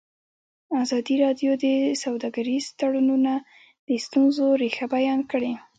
ازادي راډیو د سوداګریز تړونونه د ستونزو رېښه بیان کړې.